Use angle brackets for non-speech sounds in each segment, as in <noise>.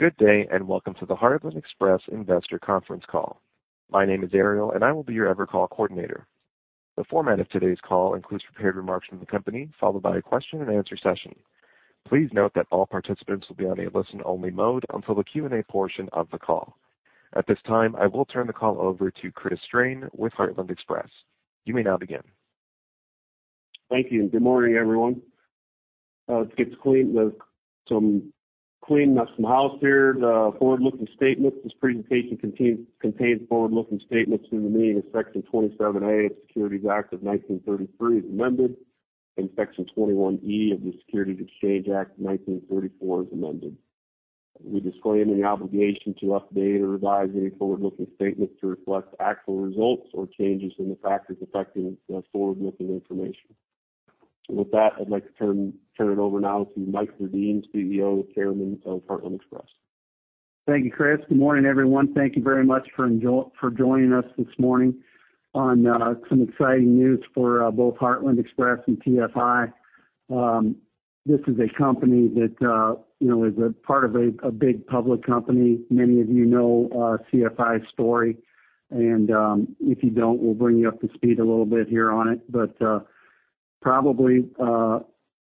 Thank you, and good morning, everyone. Let us cover some housekeeping items. Forward-looking statements. This presentation contains forward-looking statements within the meaning of Section 27A of the Securities Act of 1933 as amended, and Section 21E of the Securities Exchange Act of 1934 as amended. We disclaim any obligation to update or revise any forward-looking statements to reflect actual results or changes in the factors affecting such forward-looking information. With that, I'd like to turn it over now to Mike Gerdin, CEO and Chairman of Heartland Express. Thank you, Chris. Good morning, everyone. Thank you very much for joining us this morning on some exciting news for both Heartland Express and TFI. This is a company that is a part of a big public company. Many of you know CFI's story, and if you don't, we'll bring you up to speed on it. Probably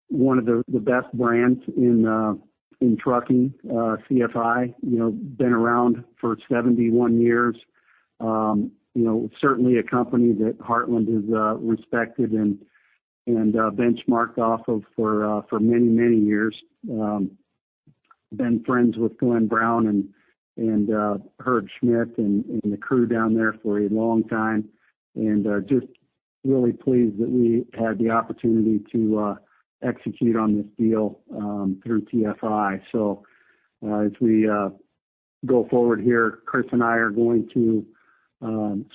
one of the best brands in trucking, CFI. It has been around for 71 years. You know, certainly a company that Heartland has respected and benchmarked against it for many years. I have been friends with Glenn Brown and Herb Schmidt and the crew down there for a long time, and just really pleased that we had the opportunity to execute on this deal through TFI. As we proceed, Chris and I are going to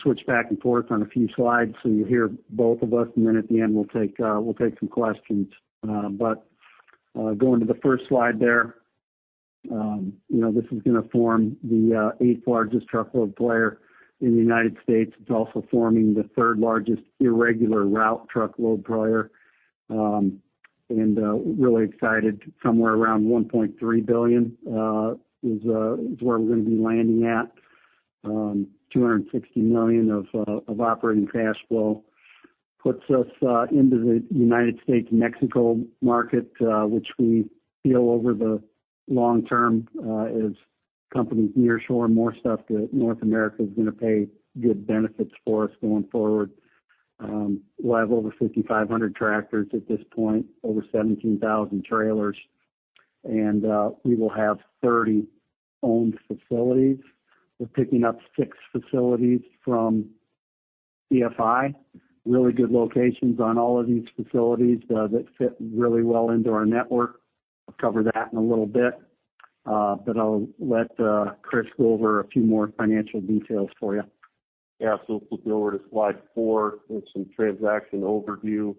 switch back and forth on a few slides, so you'll hear both of us, and then at the end, we'll take some questions. Going to the first Slide you know, this is going to form the eighth-largest truckload player in the United States. It's also forming the third-largest irregular route truckload player, and really excited. Somewhere around $1.3 billion is where we're going to land at. $260 million of operating cash flow puts us into the United States-Mexico market, which we feel over the long term, as companies nearshore more stuff to North America is going to pay good benefits for us going forward. We'll have over 5,500 tractors at this point, over 17,000 trailers, and we will have 30 owned facilities. We're picking up 6 facilities from CFI. Really good locations on all of these facilities, that fit really well into our network. I'll cover that in a little bit, but I'll let Chris go over a few more financial details for you. Yeah. Flip over to slide four with some transaction overview.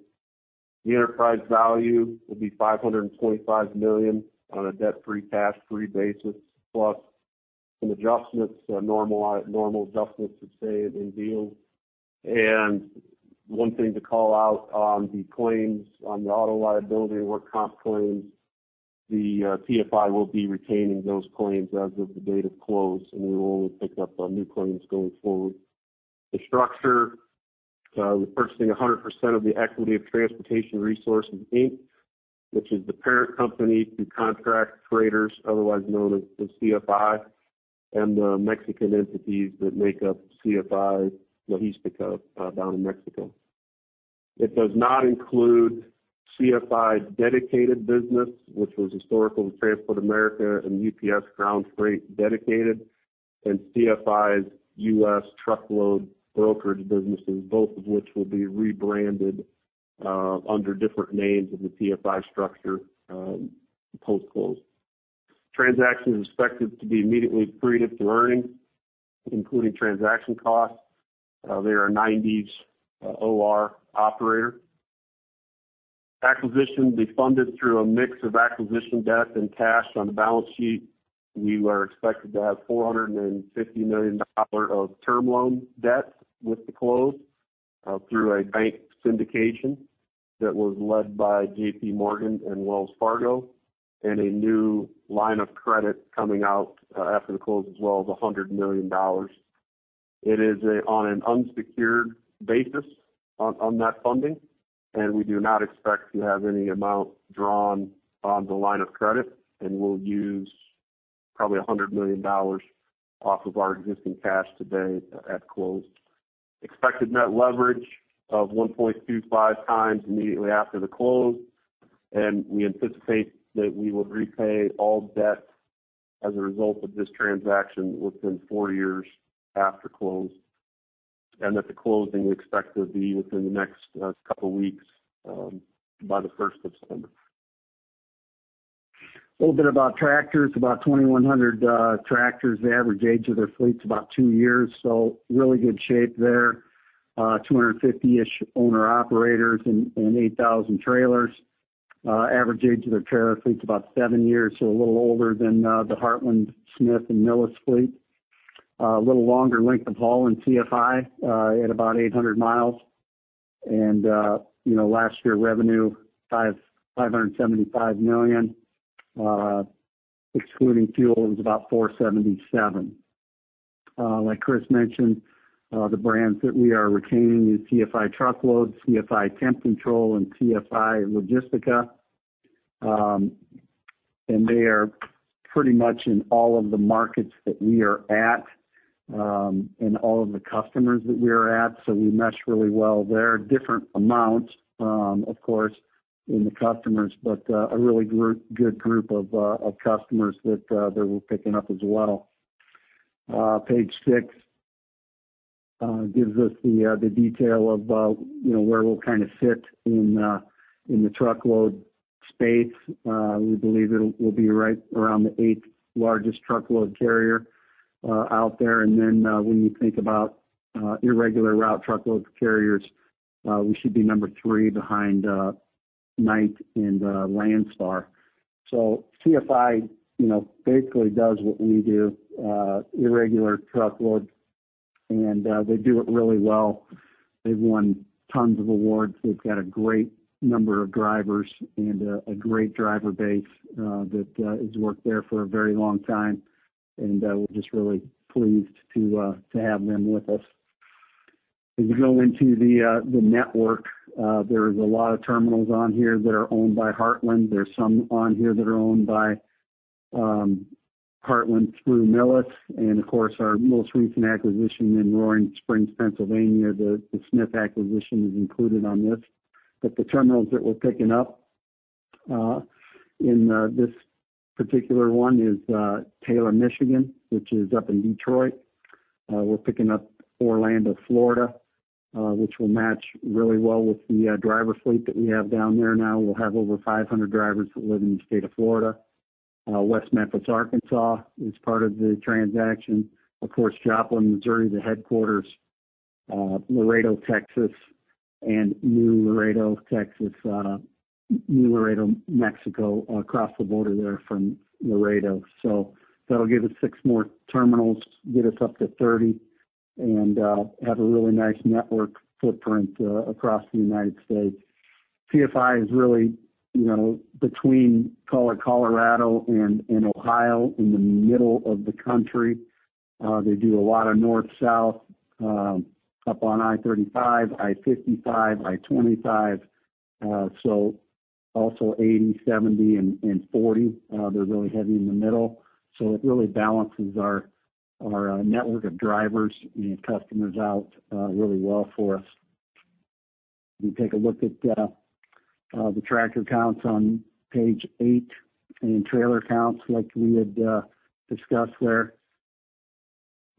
The enterprise value will be $525 million on a debt-free, cash-free basis, plus some adjustments, normal adjustments that stay in deals. One thing to call out on the claims on the auto liability and work comp claims, TFI will be retaining those claims as of the date of close, and we will only pick up new claims going forward. The structure, we're purchasing 100% of the equity of Transportation Resources, Inc., which is the parent company to Contract Freighters, otherwise known as CFI, and the Mexican entities that make up CFI Logistica down in Mexico. It does not include CFI's dedicated business, which was historical to Transport America and UPS Freight dedicated, and CFI's U.S. truckload brokerage businesses, both of which will be rebranded under different names in the TFI structure post-close. Transaction is expected to be immediately accretive to earnings, including transaction costs. They are a 90s OTR operator. Acquisition will be funded through a mix of acquisition debt and cash on the balance sheet. We are expected to have $450 million of term loan debt with the close through a bank syndication that was led by J.P. Morgan and Wells Fargo, and a new line of credit coming out after the close as well of $100 million. It is on an unsecured basis on that funding, and we do not expect to have any amount drawn on the line of credit, and we'll use probably $100 million off of our existing cash today at close. Expected net leverage of 1.25x immediately after the close. We anticipate that we will repay all debt as a result of this transaction within four years after close, and that the closing we expect will be within the next couple weeks, by the first of December. A little bit about tractors. About 2,100 tractors. The average age of their fleet's about 2 years, so really good shape there. 250-ish owner-operators and 8,000 trailers. Average age of their trailer fleet's about 7 years, so a little older than the Heartland, Smith, and Millis fleet. A little longer length of haul in CFI at about 800 miles. Last year, revenue was $575 million, excluding fuel, revenue was about $477 million. Like Chris mentioned, the brands that we are retaining is CFI Truckload, CFI Temp-Control, and CFI Logistica. They are pretty much in all of the markets that we are at and all of the customers that we are at, so we mesh really well there. Different amounts in customers, but a really good group of customers that we're picking up as well. Page six gives us the detail of, you know, where we will fit in the truckload space. We believe we'll be right around the eighth-largest truckload carrier out there. Then, when you think about, irregular route truckload carriers, we should be No. 3 behind, Knight and, Landstar. TFI basically does what we do, irregular truckload, and, they perform it well. They've won tons of awards. They've got a great number of drivers and, a great driver base, that, has worked there for a very long time. We're just really pleased to have them with us. As we go into the network, there's a lot of terminals on here that are owned by Heartland. There's some on here that are owned by Heartland through Millis. Of course, our most recent acquisition in Roaring Spring, Pennsylvania, the Smith acquisition is included on this. The terminals that we're picking up in this particular one is Taylor, Michigan, which is up in Detroit. We're picking up Orlando, Florida, which will match really well with the driver fleet that we have down there now. We'll have over 500 drivers that live in the state of Florida. West Memphis, Arkansas is part of the transaction. Of course, Joplin, Missouri, the headquarters, Laredo, Texas, and Nuevo Laredo, Mexico, across the border there from Laredo. That'll give us 6 more terminals, get us up to 30 and have a really nice network footprint across the United States. TFI is really between between Colorado and Ohio in the middle of the country. They do a lot of north-south up on I-35, I-55, I-25, so also I-80, I-70, and I-40. they are heavily concentrated in the middle. It really balances our network of drivers and customers out really well for us. You take a look at the tractor counts on page 8 and trailer counts like we had discussed there.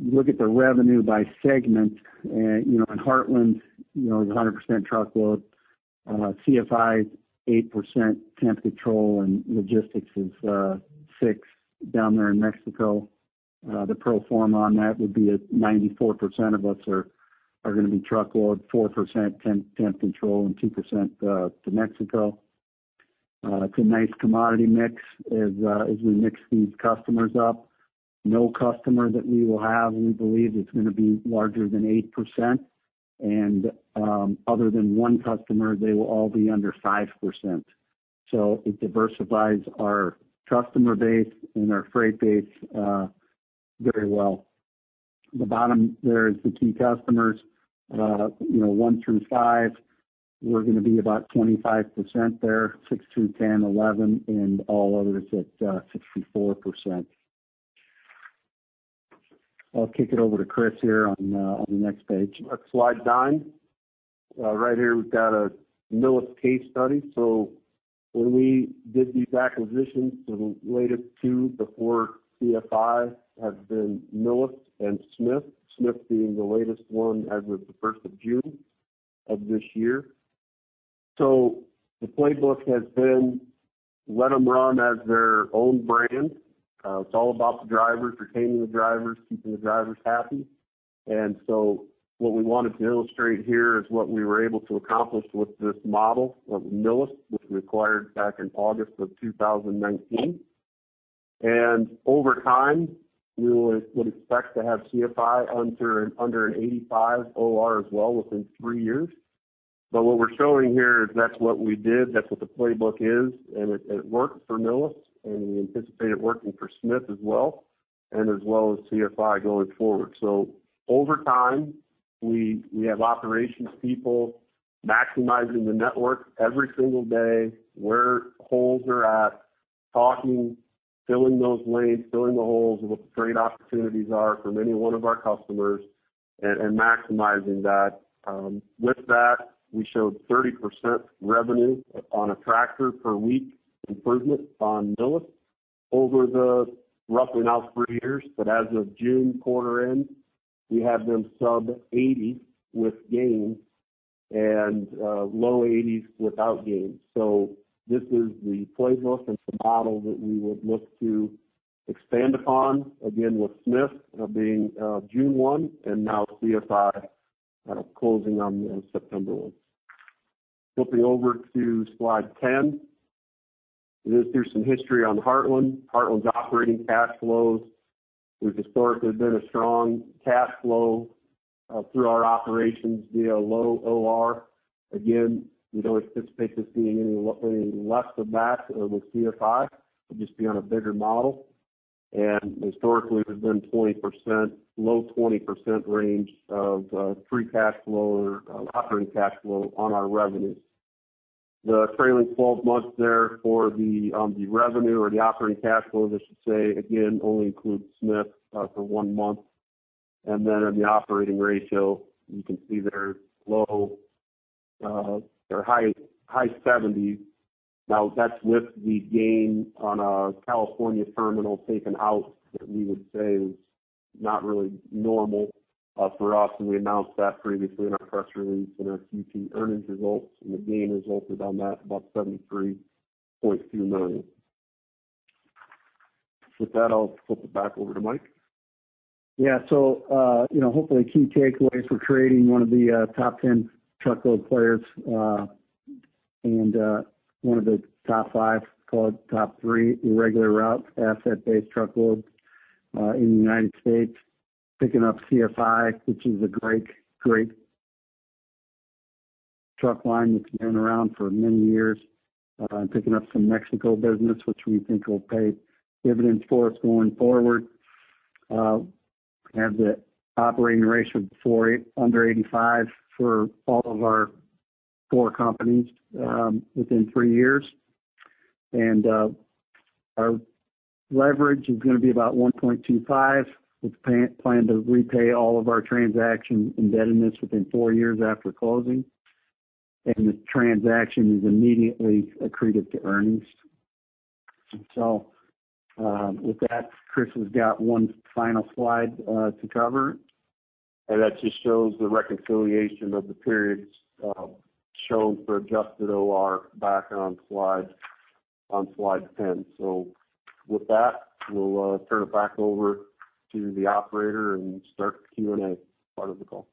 Looking at revenue by segment. In Heartland, it's 100% truckload. TFI's is 8% temp control, and logistics is 6% down there in Mexico. The pro forma on that would be at 94% of us are going to be truckload, 4% temp control, and 2% from Mexico. It's a nice commodity mix as we mix these customers up. We believe no customer will represent more than 8%. Other than one customer, they will all be under 5%. It diversifies our customer base and our freight base very well. The bottom there is the key customers. You know, one through five, we're going to be about 25% there, six through ten, 11, and all others at 64%. I'll kick it over to Chris here on the next page. Slide 9. Right here we've got a Millis case study. When we did these acquisitions, the latest two before TFI has been Millis and Smith being the latest one as of the first of June of this year. The playbook has been let them run as their own brand. It's all about the drivers, retaining the drivers, keeping the drivers happy. What we wanted to illustrate here is what we were able to accomplish with this model of Millis, which we acquired back in August 2019. Over time, we would expect to have TFI under an 85 OR as well within 3 years. What we're showing here is that's what we did. That is the playbook. And it worked for Millis, and we anticipate it working for Smith as well, and as well as TFI going forward. Over time, we have operations people maximizing the network every day, where holes are at, talking, filling those lanes, filling the holes, and what the trade opportunities are from any one of our customers and maximizing that. With that, we showed a 30% improvement in revenue per tractor per week on Millis over the roughly now 3 years. As of June quarter-end, we have them sub-$80 with gains and low $80s without gains. This is the playbook. It's the model that we would look to expand upon again with Smith being June 1 and now TFI closing on September 1. Flipping over to slide 10. Through some history on Heartland. Heartland's operating cash flows. We've historically been a strong cash flow through our operations via low OR. Again, we don't anticipate this being any less of that with CFI. We'll just be on a bigger model, and historically we've been 20%, low 20% range of free cash flow or operating cash flow on our revenues. The trailing twelve months there for the revenue or the operating cash flow, This should state that it only includes Smith for one month.. On the operating ratio, you can see they're low. They're high 70s. Now that's with the gain on our California terminal taken out that we would say is not really normal for us, and we announced that previously in our press release and our Q2 earnings results, and the gain is also down to about $73.2 million. With that, I'll flip it back over to Mike. Key takeaways include the following. We're creating one of the top 10 truckload players and one of the top 5, one of the top three irregular-route asset-based truckload carriers in the United States, picking up CFI, which is a great truck line that's been around for many years, picking up some Mexico business, which we think will pay dividends for us going forward. Have the operating ratio below 85% for all of our 4 companies within 3 years. Our leverage is going to be about 1.25x. We plan to repay all of our transaction indebtedness within 4 years after closing, and the transaction is immediately accretive to earnings. With that, Chris has got one final slide to cover. That just shows the reconciliation of the periods shown for adjusted OR back on slide 10. With that, we'll turn it back over to the operator and start the Q&A part of the call.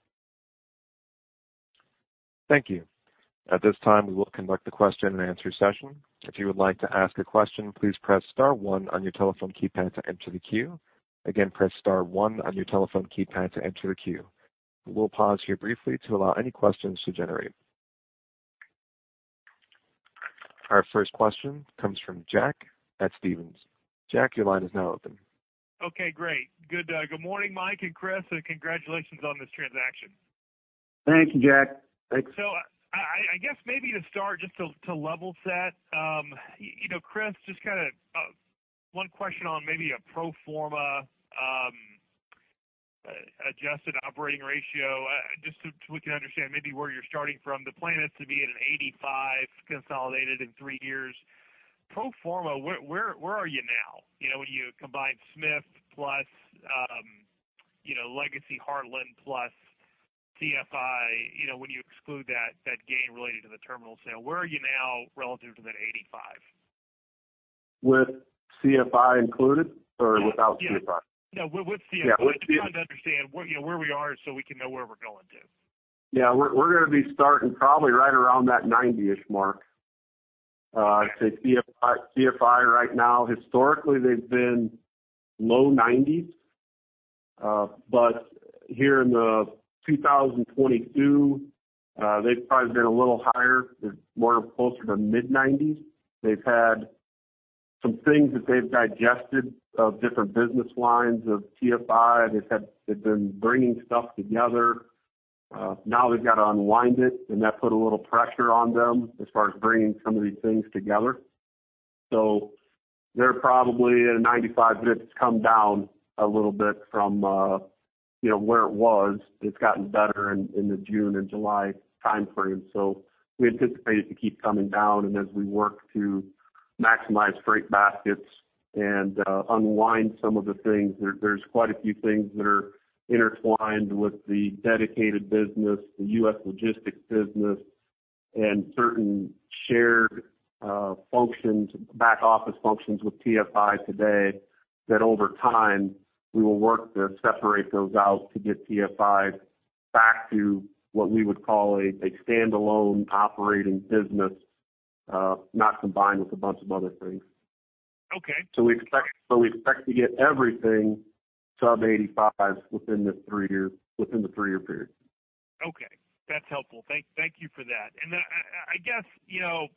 Okay, great. Good morning, Mike and Chris, and congratulations on this transaction. Thank you, Jack. Thanks. I guess maybe to start just to level set, you know, Chris, just kinda one question on maybe a pro forma adjusted operating ratio, just so we can understand maybe where you're starting from. The plan is to be at an 85% consolidated in three years. Pro forma where are you now? when you combine Smith with, you know, legacy Heartland plus CFI, you know, when you exclude that gain related to the terminal sale, where are you now relative to that 85? With CFI included or without CFI? Yeah, yeah. No, with CFI. Yeah, with CFI. We're trying to understand where, you know, where we are so we can know where we're going to. Yeah. We're going to be starting probably right around that approximately 90%. I'd say CFI right now, historically, they've been low-90% range. But here in 2022, they've probably been a little higher. They're more closer to mid-90s%. They've had some things that they've digested of different business lines of TFI. They've been bringing stuff together. Now they've got to unwind it, and that put a little pressure on them as far as bringing some of these things together. So they're probably at a 95%, but it's come down a little bit from, you know, where it was. It's gotten better in the June and July timeframe. So we anticipate it to keep coming down, and as we work to maximize freight baskets and unwind some of the things. There's quite a few things that are intertwined with the dedicated business, the U.S. logistics business, and certain shared functions, back office functions with TFI today, that over time, we will work to separate those out to get TFI back to what we would call a standalone operating business, not combined with a bunch of other things. Okay. We expect to get everything sub 85 within the 3-year period. Okay. That's helpful. Thank you for that. I guess, you know,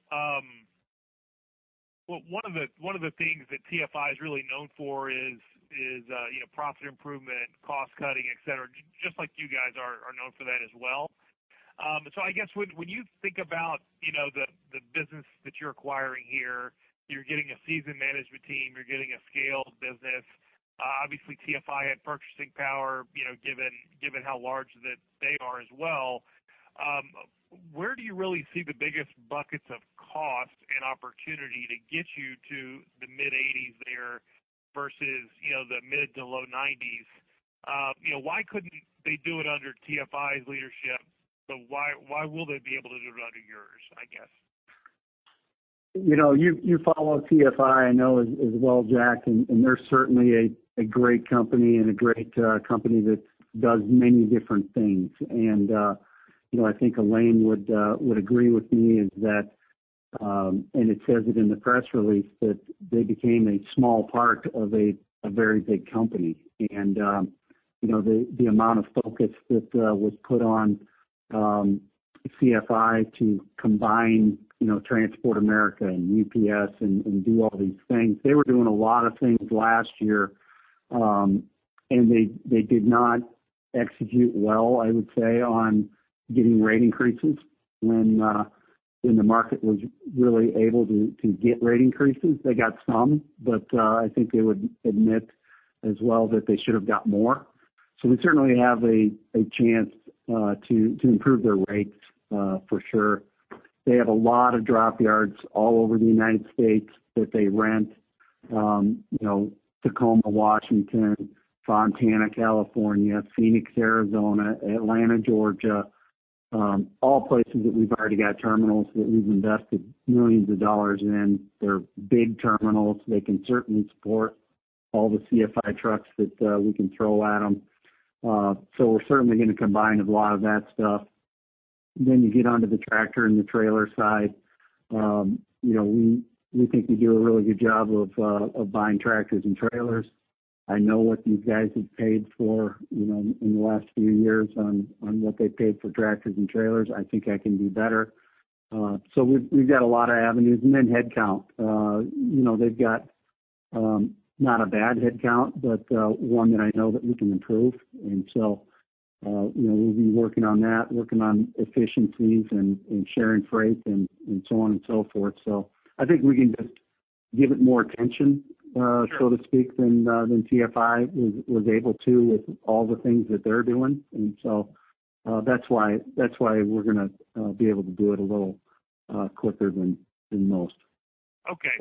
one of the things that TFI is really known for is, you know, profit improvement, cost cutting, et cetera, just like you guys are known for that as well. I guess when you think about, you know, the business that you're acquiring here, you're getting a seasoned management team, you're getting a scaled business. Obviously TFI had purchasing power, you know, given how large that they are as well. Where do you really see the biggest buckets of cost and opportunity to get you to the mid-80s% there versus, you know, the mid- to low-90% range? You know, why couldn't they do it under TFI's leadership? Why will they be able to do it under yours, I guess? You know, you follow TFI, I know as well, Jack, and they're certainly a great company and a great company that does many different things. You know, I think Alain Bédard would agree with me is that, and it says it in the press release, that they became a small part of a very big company. You know, the amount of focus that was put on CFI to combine, you know, Transport America and UPS and do all these things. They were doing a lot of things last year, and they did not execute well, I would say, on getting rate increases when the market was really able to get rate increases. They got some, but I think they would admit as well that they should have got more. We certainly have a chance to improve their rates for sure. They have a lot of drop yards all over the United States that they rent. You know, Tacoma, Washington, Fontana, California, Phoenix, Arizona, Atlanta, Georgia, all places that we've already got terminals that we've invested millions of dollars in. They're big terminals. They can certainly support all the CFI trucks that we can throw at them. We're certainly going to combine a lot of that stuff. You get onto the tractor and the trailer side. You know, we think we do a really good job of buying tractors and trailers. I know what these guys have paid for in the last few years on what they paid for tractors and trailers. I think I can do better. We've got a lot of avenues. Headcount. You know, they've got not a bad headcount, but one that I know that we can improve. You know, we'll be working on that, working on efficiencies and sharing freight and so on and so forth. I think we can just give it more attention, so to speak, than TFI was able to with all the things that they're doing. That's why we're going to be able to do it a little quicker than most. Okay. <crosstalk>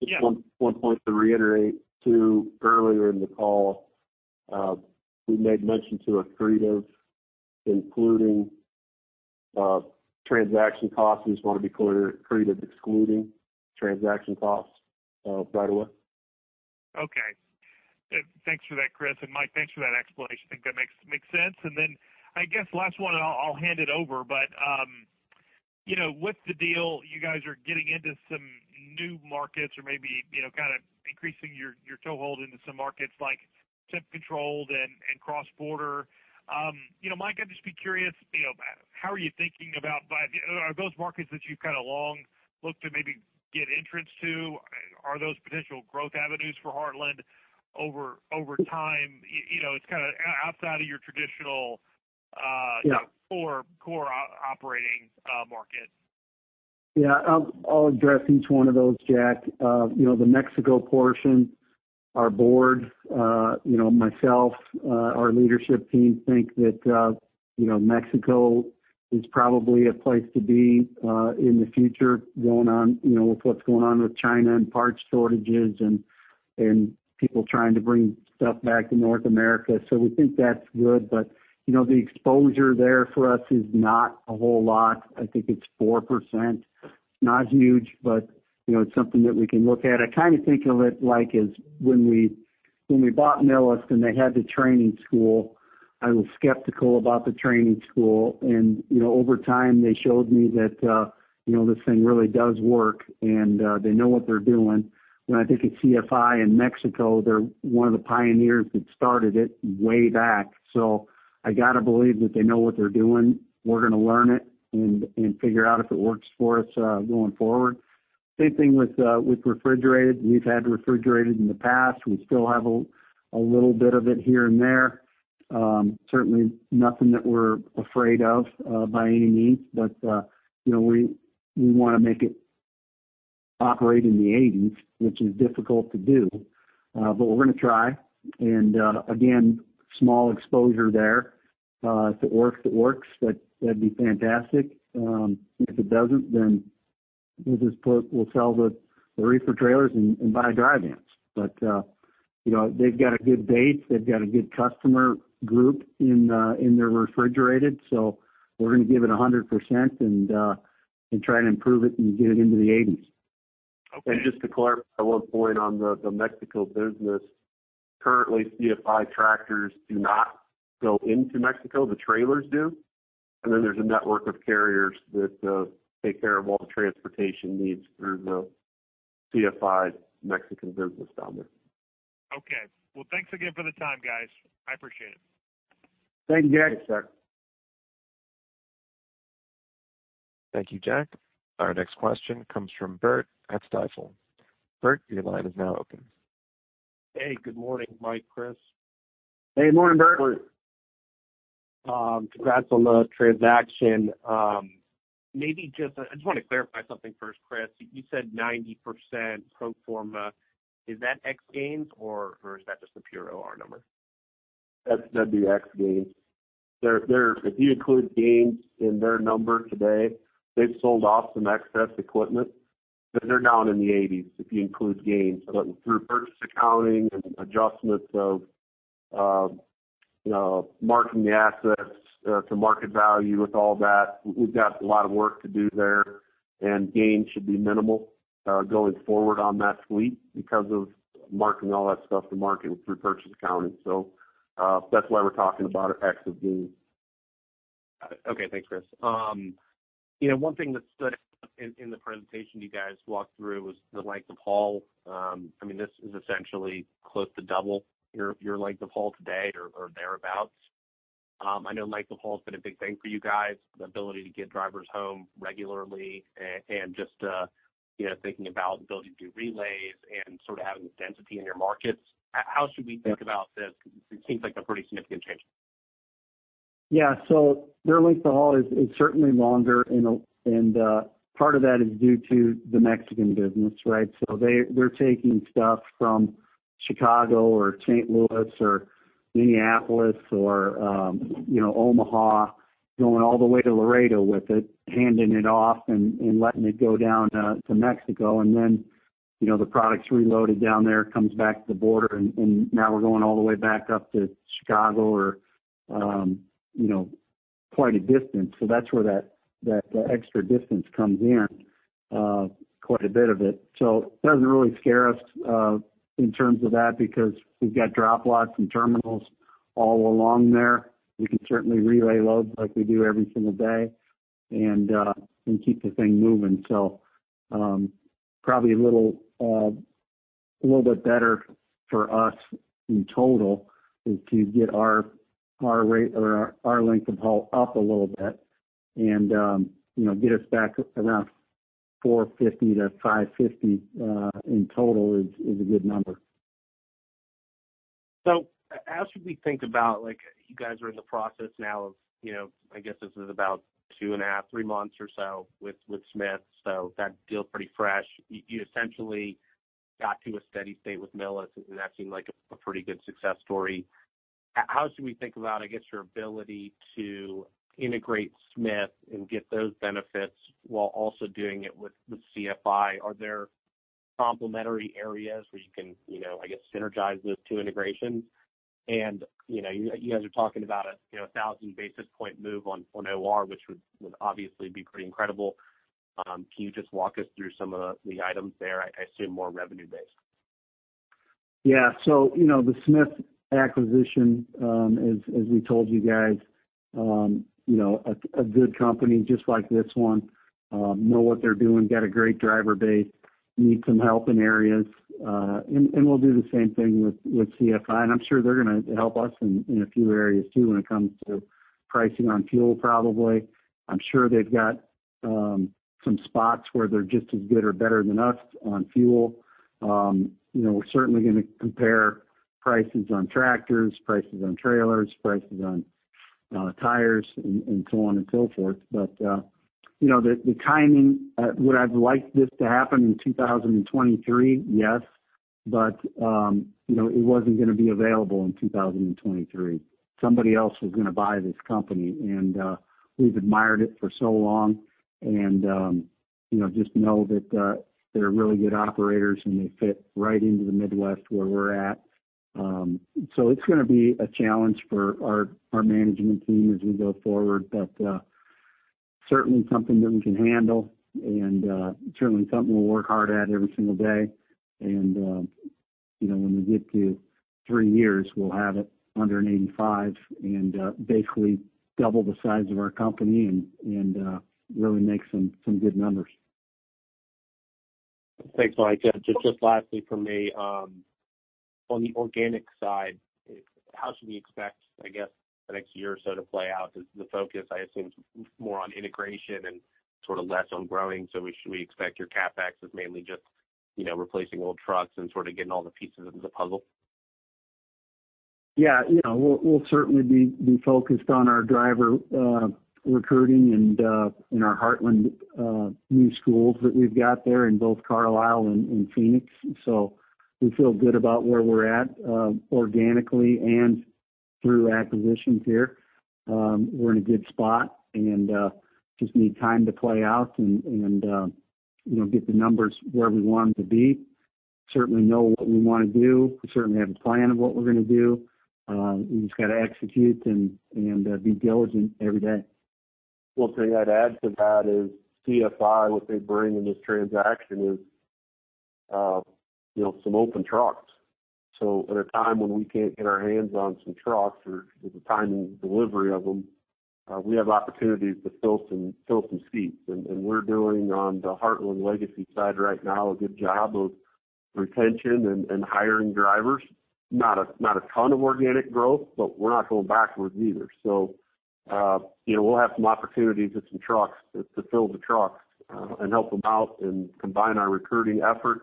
Yeah. Just one point to reiterate to earlier in the call, we made mention to accretive including transaction costs. We just want to be clear, accretive excluding transaction costs right away. Okay. Thanks for that, Chris. Mike, thanks for that explanation. Think that makes sense. Then I guess last one, and I'll hand it over. You know, with the deal, you guys are getting into some new markets or maybe, you know, kind of increasing your toehold into some markets like temp controlled and cross-border. You know, Mike, I'd just be curious, you know, how are you thinking about. Are those markets that you've kind of long looked to maybe get entrance to? Are those potential growth avenues for Heartland over time? You know, it's outside your traditional. Yeah. core operating market. Yeah. I'll address each one of those, Jack. You know, the Mexico portion, our board, you know, myself, our leadership team think that, you know, Mexico is probably a place to be, in the future going on, you know, with what's going on with China and parts shortages and people trying to bring stuff back to North America. We think that's good. You know, the exposure there for us is not a whole lot. I think it's 4%. It's not huge, you know, it's something that we can look at. I kind of think of it like as when we bought Millis and they had the training school, I was skeptical about the training school. You know, over time, they showed me that you know, this thing really does work, and they know what they're doing. When I think of CFI and Mexico, they're one of the pioneers that started it way back. I got to believe that they know what they're doing. We're going to learn it and figure out if it works for us going forward. Same thing with refrigerated. We've had refrigerated in the past. We still have a little bit of it here and there. Certainly nothing that we're afraid of by any means. You know, we wanna make it operate in the eighties, which is difficult to do, but we're going to try. Again, small exposure there. If it works, it works. That'd be fantastic. If it doesn't, then we'll just sell the reefer trailers and buy dry vans. You know, they've got a good base. They've got a good customer group in their refrigerated, so we're going to give it 100% and try and improve it and get it into the eighties. Okay. Just to clarify one point on the Mexico business. Currently, CFI tractors do not go into Mexico, the trailers do. There's a network of carriers that take care of all the transportation needs for the CFI Mexican business down there. Okay. Well, thanks again for the time, guys. I appreciate it. Thank you, Jack. Thank you, sir. Thank you, Jack. Our next question comes from Bert at Stifel. Bert, your line is now open. Hey, good morning, Mike, Chris. Hey, morning, Bert. Morning. Congrats on the transaction. I just wanna clarify something first, Chris. You said 90% pro forma. Is that ex gains or is that just the pure OR number? That's going to be ex gains. If you include gains in their number today, they've sold off some excess equipment. They're down in the eighties if you include gains. Through purchase accounting and adjustments of, you know, marking the assets, to market value with all that, we've got a lot of work to do there. Gain should be minimal going forward on that fleet because of marking all that stuff to market through purchase accounting. That's why we're talking about it actively. Got it. Okay. Thanks, Chris. You know, one thing that stood out in the presentation you guys walked through was the length of haul. I mean, this is essentially close to double your length of haul today or thereabout. I know length of haul has been a big thing for you guys, the ability to get drivers home regularly and just, you know, thinking about the ability to do relays and sort of having the density in your markets. How should we think about this? It seems like a pretty significant change. Yeah. Their length of haul is certainly longer and part of that is due to the Mexican business, right? They're taking stuff from Chicago or St. Louis or Minneapolis or you know, Omaha, going all the way to Laredo with it, handing it off and letting it go down to Mexico. Then you know, the product's reloaded down there, comes back to the border, and now we're going all the way back up to Chicago or you know, quite a distance. That's where that extra distance comes in, quite a bit of it. It doesn't really scare us in terms of that because we've got drop lots and terminals all along there. We can certainly relay loads like we do every day and keep the thing moving. Probably a little bit better for us in total is to get our rate or our length of haul up a little bit and, you know, get us back around 450-550 in total is a good number. How should we think about like you guys are in the process now of, you know, I guess this is about 2.5, 3 months or so with Smith, so that deal's pretty fresh. You essentially got to a steady state with Millis, and that seemed like a pretty good success story. How should we think about, I guess, your ability to integrate Smith and get those benefits while also doing it with the CFI? Are there complementary areas where you can, you know, I guess, synergize those two integrations? You know, you guys are talking about a, you know, 1,000 basis point move on OR, which would obviously be pretty incredible. Can you just walk us through some of the items there, I assume more revenue based? Yeah. You know, the Smith acquisition, as we told you guys, you know, a good company just like this one, they know what they're doing, got a great driver base, need some help in areas, and we'll do the same thing with CFI. I'm sure they're going to help us in a few areas too when it comes to pricing on fuel, probably. I'm sure they've got some spots where they're just as good or better than us on fuel. You know, we're certainly going to compare prices on tractors, prices on trailers, prices on tires and so on and so forth. You know, the timing, would I have liked this to happen in 2023? Yes. You know, it wasn't going to be available in 2023. Somebody else was going to buy this company. We've admired it for so long and you know, just know that they're really good operators, and they fit right into the Midwest where we're at. It's going to be a challenge for our management team as we go forward, but certainly something that we can handle and certainly something we'll work hard at every day. You know, when we get to three years, we'll have it under 85 and basically double the size of our company and really make some good numbers. Thanks, Mike. Just lastly from me, on the organic side, how should we expect, I guess, the next year or so to play out? Is the focus, I assume, more on integration and sort of less on growing? Should we expect your CapEx as mainly just, you know, replacing old trucks and sort of getting all the pieces of the puzzle? Yeah. You know, we'll certainly be focused on our driver recruiting and our Heartland new schools that we've got there in both Carlisle and Phoenix. We feel good about where we're at organically and through acquisitions here. We're in a good spot and just need time to play out and you know, get the numbers where we want them to be. Certainly know what we want to do. We certainly have a plan of what we're going to do. We just got to execute and be diligent every day. Well, I'd add to that is CFI, what they bring in this transaction is, you know, some open trucks. At a time when we can't get our hands on some trucks or the timing and delivery of them, we have opportunities to fill some seats. We're doing on the Heartland legacy side right now, a good job of retention and hiring drivers. Not a ton of organic growth, but we're not going backwards either. You know, we'll have some opportunities with some trucks to fill the trucks, and help them out and combine our recruiting efforts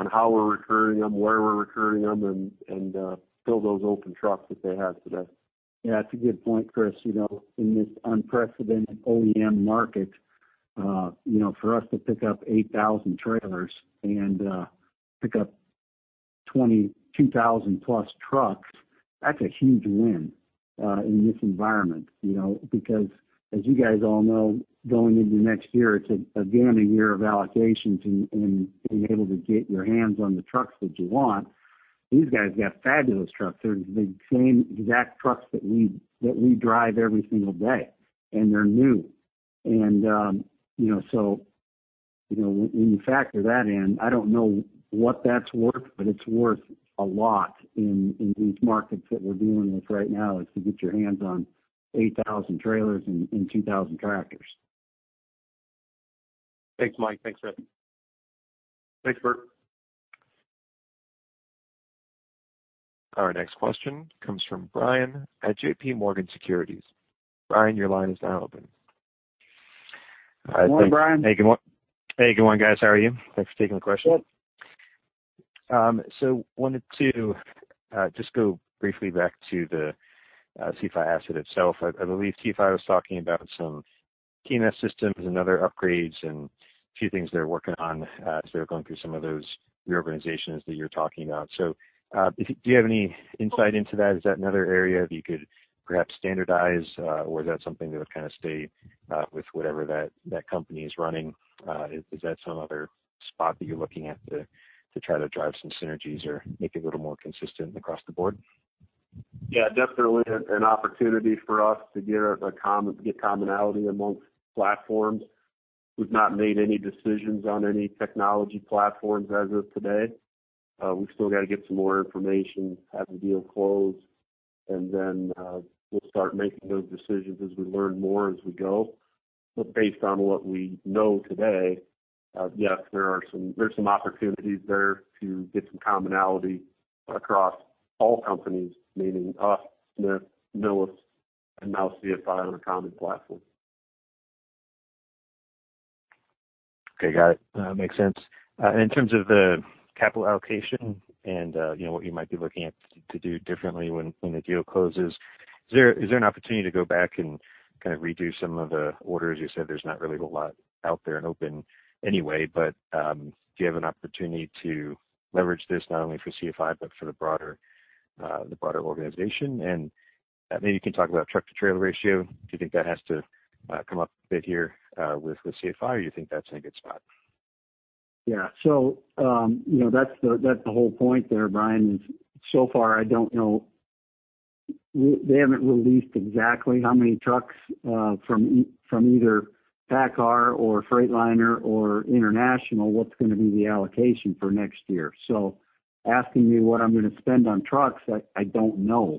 on how we're recruiting them, where we're recruiting them and fill those open trucks that they have today. Yeah, that's a good point, Chris. You know, in this unprecedented OEM market, you know, for us to pick up 8,000 trailers and pick up 22,000+ trucks, that's a huge win in this environment, you know. Because as you guys all know, going into next year, it's again, a year of allocations and being able to get your hands on the trucks that you want. These guys got fabulous trucks. They're the same exact trucks that we drive everyday, and they're new. You know, so, you know, when you factor that in, I don't know what that's worth, but it's worth a lot in these markets that we're dealing with right now, is to get your hands on 8,000 trailers and two thousand tractors. Thanks, Mike. Thanks, Bert. Thanks, Bert. Good morning, Brian. Hey, good morning, guys. How are you? Thanks for taking the question. Sure. Wanted to just go briefly back to the CFI asset itself. I believe CFI was talking about some TMS systems and other upgrades and a few things they're working on as they're going through some of those reorganizations that you're talking about. Do you have any insight into that? Is that another area that you could perhaps standardize? Is that something that would kind of stay with whatever that company is running? Is that some other spot that you're looking at to try to drive some synergies or make it a little more consistent across the board? Yeah, definitely an opportunity for us to get commonality among platforms. We've not made any decisions on any technology platforms as of today. We've still got to get some more information, have the deal closed, and then we'll start making those decisions as we learn more as we go. Based on what we know today, yes, there's some opportunities there to get some commonality across all companies, meaning us, Smith, Millis, and now CFI on a common platform. Okay. Got it. That makes sense. In terms of the capital allocation and, you know, what you might be looking at to do differently when the deal closes, is there an opportunity to go back and kind of redo some of the orders? You said there's not really a lot out there and open anyway, but do you have an opportunity to leverage this not only for CFI but for the broader organization? Maybe you can talk about truck-to-trailer ratio. Do you think that has to come up a bit here with CFI, or you think that's in a good spot? Yeah, you know, that's the whole point there, Brian, is so far, I don't know. They haven't released exactly how many trucks from either PACCAR or Freightliner or International, what's going to be the allocation for next year. Asking me what I'm going to spend on trucks, I don't know,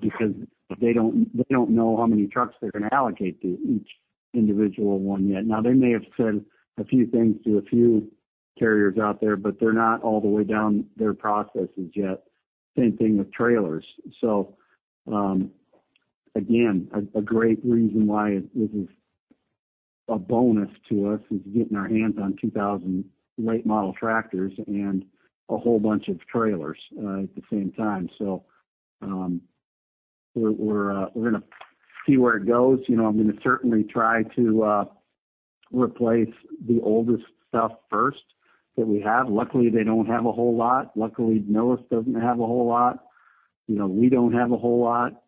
because they don't know how many trucks they're going to allocate to each individual one yet. Now, they may have said a few things to a few carriers out there, but they're not all the way down their processes yet. Same thing with trailers. Again, a great reason why this is a bonus to us is getting our hands on 2,000 late model tractors and a whole bunch of trailers at the same time. We're going to see where it goes. You know, I'm going to certainly try to replace the oldest stuff first that we have. Luckily, they don't have a whole lot. Luckily, Millis doesn't have a whole lot. You know, we don't have a whole lot.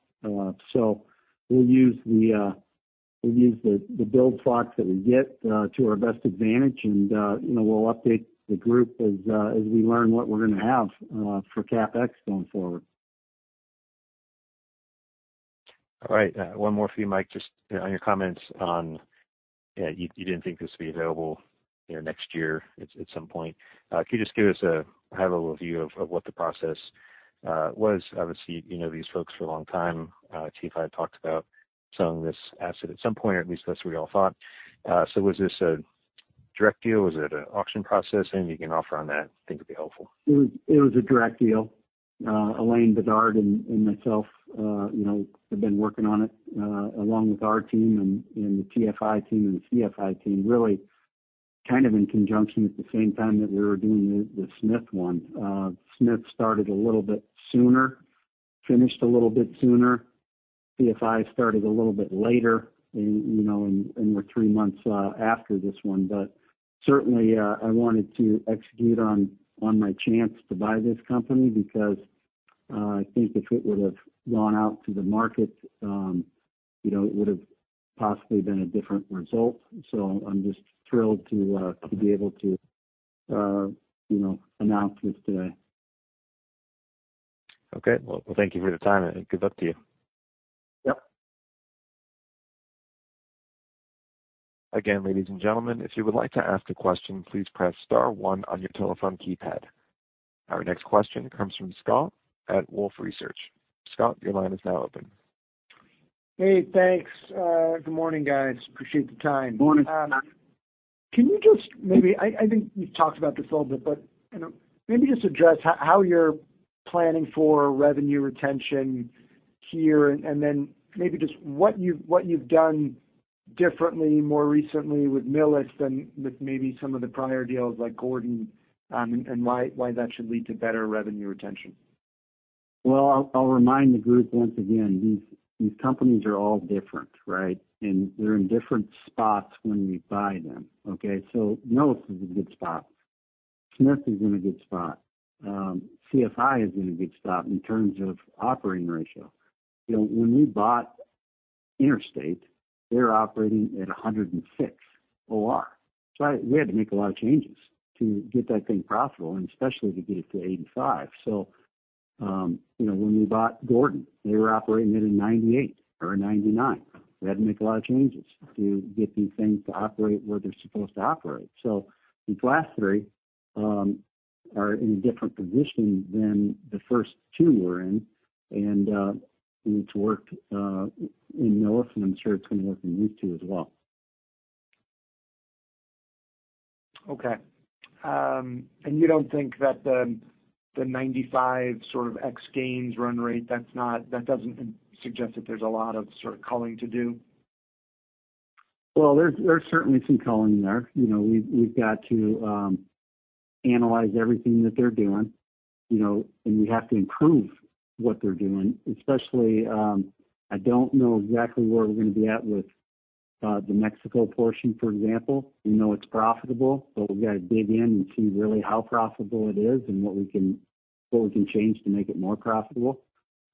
We'll use the build slots that we get to our best advantage, and you know, we'll update the group as we learn what we're going to have for CapEx going forward. All right. One more for you, Mike, just on your comments on, you know, you didn't think this would be available, you know, next year at some point. Can you just give us a high-level view of what the process was? Obviously, you know these folks for a long time. CFI talked about selling this asset at some point, or at least that's what we all thought. Was this a direct deal? Was it an auction process? Anything you can offer on that I think would be helpful. It was a direct deal. Alain Bédard and myself, you know, have been working on it, along with our team and the TFI team and the CFI team, really kind of in conjunction at the same time that we were doing the Smith one. Smith started a little bit sooner, finished a little bit sooner. CFI started a little bit later and, you know, we're three months after this one. Certainly, I wanted to execute on my chance to buy this company because I think if it would've gone out to the market, you know, it would've possibly been a different result. I'm just thrilled to be able to, you know, announce this today. Okay. Well, thank you for the time, and good luck to you. Yep. Hey, thanks. Good morning, guys. Appreciate the time. Good morning, Scott. Can you just maybe I think you've talked about this a little bit, but you know, maybe just address how you're planning for revenue retention here, and then maybe just what you've done differently more recently with Millis than with maybe some of the prior deals like Gordon, and why that should lead to better revenue retention. Well, I'll remind the group once again, these companies are all different, right? They're in different spots when we buy them, okay? Millis is in a good spot. Smith is in a good spot. CFI is in a good spot in terms of operating ratio. You know, when we bought Interstate, they're operating at 106 OR. We had to make a lot of changes to get that thing profitable and especially to get it to 85. You know, when we bought Gordon, they were operating at 98 or 99. We had to make a lot of changes to get these things to operate where they're supposed to operate. These last three are in a different position than the first two we're in, and we need to and I'm sure it's going to work in these two as well. Okay. You don't think that the 95 sort of FX gains run rate, that doesn't suggest that there's a lot of sort of culling to do? Well, there's certainly some culling there. You know, we've got to analyze everything that they're doing, you know, and we have to improve what they're doing, especially, I don't know exactly where we're going to be at with the Mexico portion, for example. We know it's profitable, but we've got to dig in and see really how profitable it is and what we can change to make it more profitable.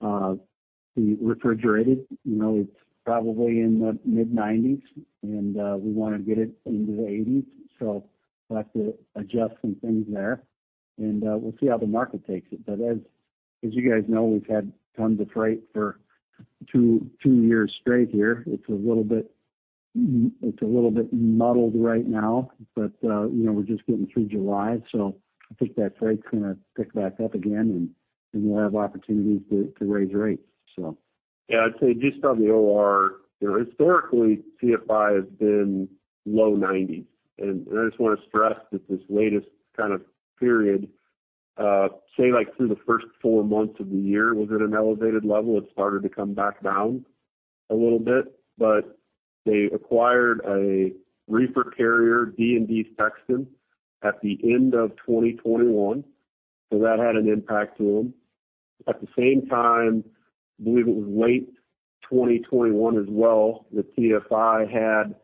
The refrigerated, you know, it's probably in the mid-nineties, and we wanna get it into the eighties. We'll have to adjust some things there, and we'll see how the market takes it. As you guys know, we've had operations together for two years straight here. It's a little bit muddled right now, but you know, we're just getting through July, so I think that freight's going to pick back up again, and we'll have opportunities to raise rates, so. Yeah, I'd say just on the OR, you know, historically, CFI has been low-90% range. I just wanna stress that this latest kind of period, say like through the first 4 months of the year, was at an elevated level. It started to come back down a little bit. They acquired a reefer carrier, D&D Sexton, at the end of 2021. That had an impact to them. At the same time, I believe it was late 2021 as well, that TFI had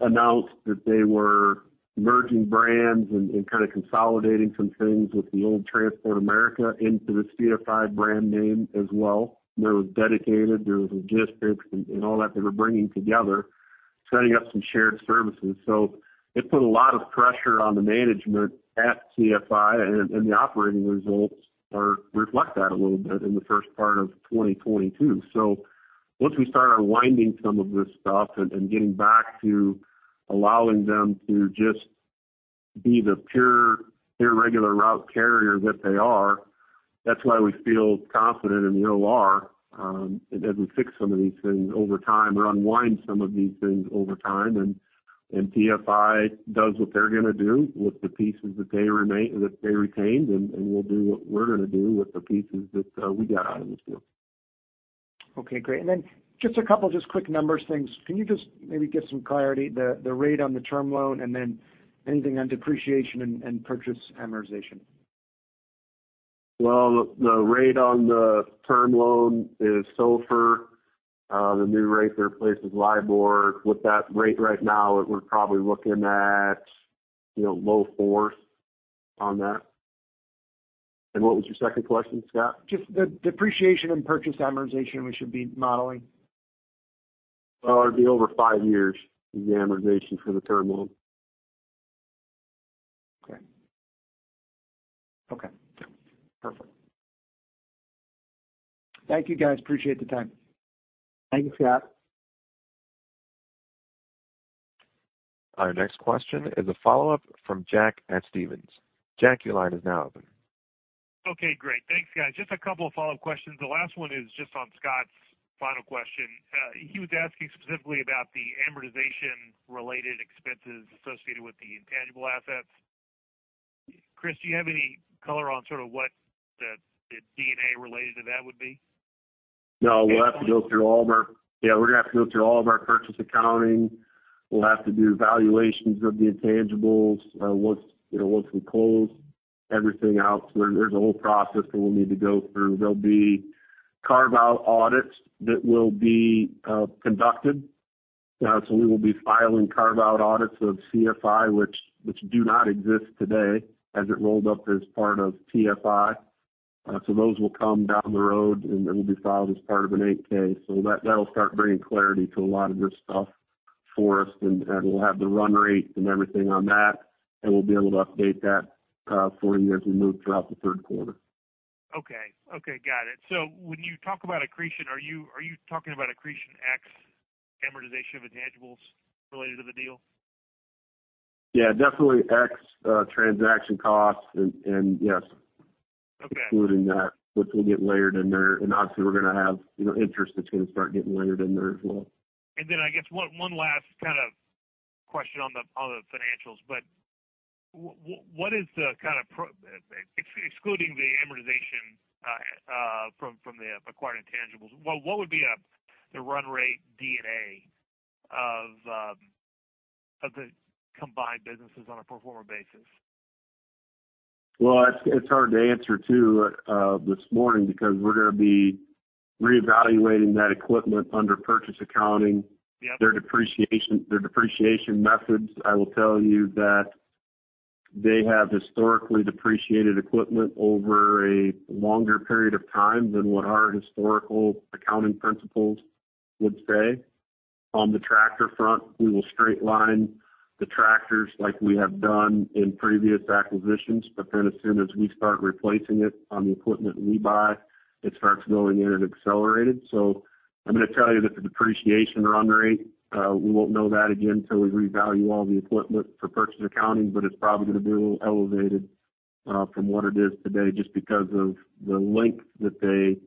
announced that they were merging brands and kind of consolidating some things with the old Transport America into this TFI brand name as well. There was dedicated, there was logistics and all that they were bringing together, setting up some shared services. It put a lot of pressure on the management at CFI and the operating results reflect that a little bit in the first part of 2022. Once we start unwinding some of this stuff and getting back to allowing them to just be the pure irregular route carrier that they are, that's why we feel confident in the OR as we fix some of these things over time or unwind some of these things over time, and TFI does what they're going to do with the pieces that they retained, and we'll do what we're going to do with the pieces that we got out of this deal. Okay, great. Just a couple just quick numbers things. Can you just maybe give some clarity, the rate on the term loan and then anything on depreciation and purchase amortization? Well, the rate on the term loan is SOFR, the new rate replaces LIBOR. With that rate right now, we're probably looking at, you know, low fours on that. What was your second question, Scott? Just the depreciation and purchase amortization we should be modeling. Well, it'd be over 5 years, the amortization for the term loan. Okay. Perfect. Thank you, guys. Appreciate the time. Thank you, Scott. Okay, great. Thanks, guys. Just a couple of follow-up questions. The last one is just on Scott's final question. He was asking specifically about the amortization-related expenses associated with the intangible assets. Chris, do you have any color on sort of what the D&A related to that would be? No, we'll have to go through all of our purchase accounting. We'll have to do valuations of the intangibles, once, you know, once we close everything out. There's a whole process that we'll need to go through. There'll be carve-out audits that will be conducted. We will be filing carve-out audits of CFI, which do not exist today as it rolled up as part of TFI. Those will come down the road, and they will be filed as part of an 8-K. That'll start bringing clarity to a lot of this stuff for us, and we'll have the run rate and everything on that, and we'll be able to update that for you as we move throughout the Q3. Okay, got it. When you talk about accretion, are you talking about accretion ex amortization of intangibles related to the deal? Yeah, definitely transaction costs and yes. Okay. Including that, which will get layered in there. Obviously we're going to have, you know, interest that's going to start getting layered in there as well. I guess one last kind of question on the financials, but excluding the amortization from the acquired intangibles, what would be the run rate D&A of the combined businesses on a pro forma basis? Well, it's hard to answer, too, this morning because we're going to be reevaluating that equipment under purchase accounting. Yeah. Their depreciation methods, I will tell you that. They have historically depreciated equipment over a longer period of time than what our historical accounting principles would say. On the tractor front, we will straight line the tractors like we have done in previous acquisitions, but then as soon as we start replacing it on the equipment we buy, it starts going in and accelerated. I'm going to tell you that the depreciation run rate, we won't know that again till we revalue all the equipment for purchase accounting, but it's probably going to be a little elevated, from what it is today, just because of the length that they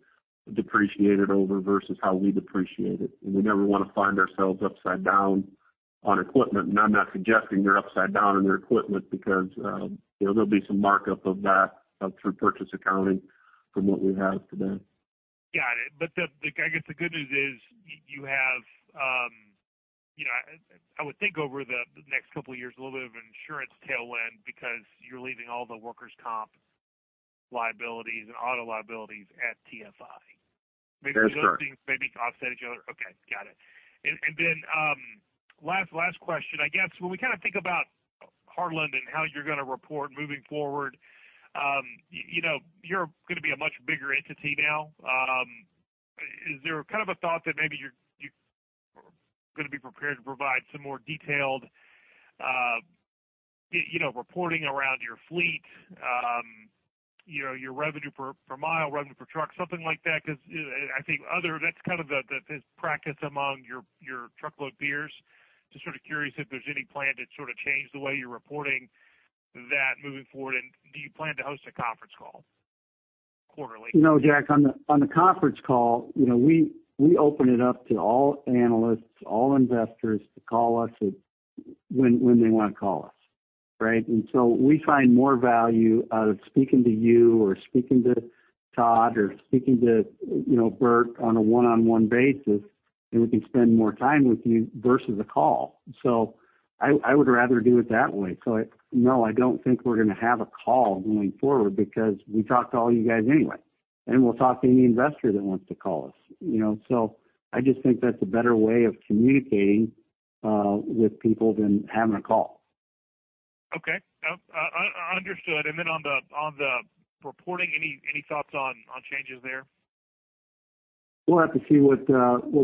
depreciate it over versus how we depreciate it. We never want to find ourselves upside down on equipment. I'm not suggesting they're upside down on their equipment because, you know, there'll be some markup of that, through purchase accounting from what we have today. Got it. I guess the good news is you have, you know, I would think over the next couple of years, a little bit of insurance tailwind because you're leaving all the workers' comp liabilities and auto liabilities at TFI. That's correct. Maybe those things maybe offset each other. Okay. Got it. And then last question. I guess when we kind of think about Heartland and how you're going to report moving forward, you know, you're going to be a much bigger entity now. Is there kind of a thought that maybe you're going to be prepared to provide some more detailed, you know, reporting around your fleet, you know, your revenue per mile, revenue per truck, something like that? Because I think others, that's kind of the practice among your truckload peers. Just sort of curious if there's any plan to sort of change the way you're reporting that moving forward. Do you plan to host a conference call quarterly? No, Jack, on the conference call, you know, we open it up to all analysts, all investors to call us when they want to call us, right? We find more value out of speaking to you or speaking to Todd or speaking to, you know, Bert on a one-on-one basis, and we can spend more time with you versus a call. I would rather do it that way. No, I don't think we're going to have a call going forward because we talk to all you guys anyway, and we'll talk to any investor that wants to call us, you know. I just think that's a better way of communicating with people than having a call. Okay. Understood. On the reporting, any thoughts on changes there? We'll have to see what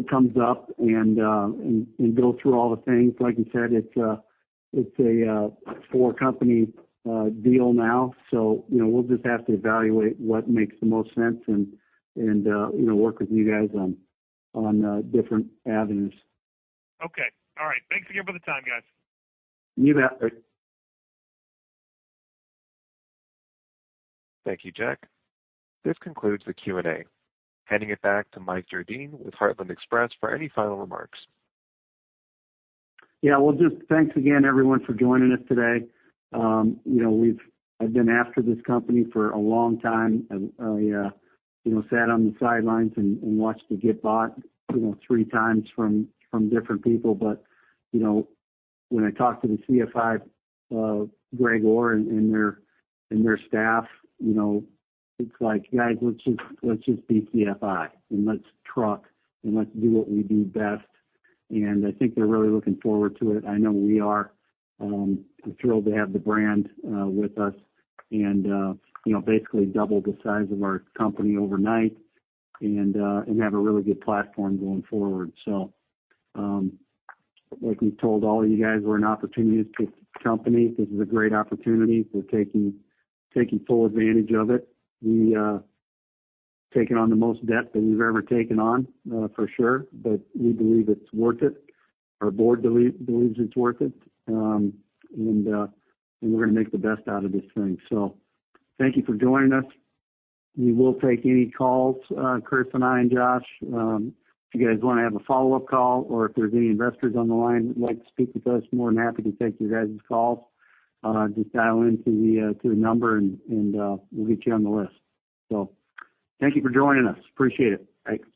comes up and go through all the things. Like you said, it's a four-company deal now, so you know, we'll just have to evaluate what makes the most sense and you know, work with you guys on different avenues. Okay. All right. Thanks again for the time, guys. You bet. Yeah, thanks again, everyone, for joining us today. You know, I've been after this company for a long time. I, you know, sat on the sidelines and watched it get bought, you know, three times from different people. You know, when I talked to the CFI, Greg Orr and their staff, you know, it's like, "Guys, let's just be CFI and let's truck and let's do what we do best." I think they're really looking forward to it. I know we are. Thrilled to have the brand with us and, you know, basically double the size of our company overnight and have a really good platform going forward. Like we told all you guys, we're an opportunistic company. This is a great opportunity. We're taking full advantage of it. We're taking on the most debt that we've ever taken on, for sure, but we believe it's worth it. Our board believes it's worth it. We're going to make the best out of this thing. Thank you for joining us. We will take any calls, Chris and I and Josh. If you guys want to have a follow-up call or if there's any investors on the line that would like to speak with us, more than happy to take you guys' calls. Just dial into the number and we'll get you on the list. Thank you for joining us. Appreciate it. Thanks.